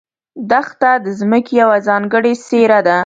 دښته د ځمکې یوه ځانګړې څېره ده.